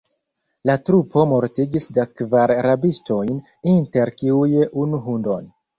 La trupo mortigis dek kvar rabistojn, inter kiuj unu hundon.